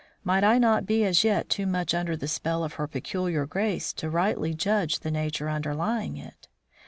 Might I not be as yet too much under the spell of her peculiar grace to rightly judge the nature underlying it?